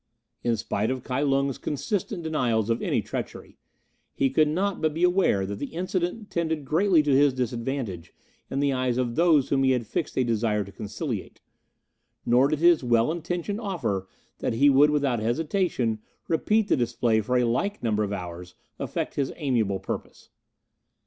In spite of Kai Lung's consistent denials of any treachery, he could not but be aware that the incident tended greatly to his disadvantage in the eyes of those whom he had fixed a desire to conciliate, nor did his well intentioned offer that he would without hesitation repeat the display for a like number of hours effect his amiable purpose.